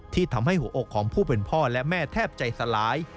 ที่ทำให้หัวอกของผู้เป็นพ่อและแม่แทบใจสลาย